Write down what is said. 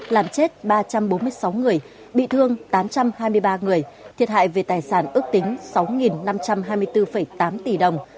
làm chết ba trăm bốn mươi sáu người bị thương tám trăm hai mươi ba người thiệt hại về tài sản ước tính sáu năm trăm hai mươi bốn tám tỷ đồng